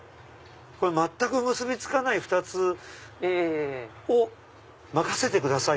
全く結び付かない２つを任せてください！